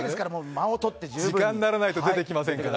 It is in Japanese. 時間にならないと出てきませんから。